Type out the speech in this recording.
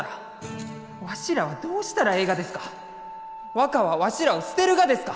若はわしらを捨てるがですか？